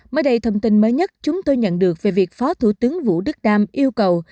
mới đây thông tin mới nhất chúng tôi nhận được về việc phó thủ tướng vũ đức đam yêu cầu